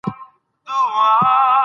دوی يو قبيلوي کنفدراسيون وو